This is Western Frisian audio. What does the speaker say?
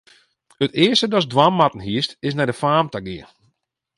It earste datst dwaan moatten hiest, is nei de faam ta gean.